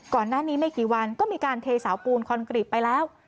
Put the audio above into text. ก่อนหน้านี้ไม่กี่วันก็มีการเทเสาปูนคอนกรีตไปแล้ว